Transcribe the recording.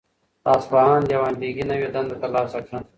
د اصفهان دیوان بیګي نوی دنده ترلاسه کړه.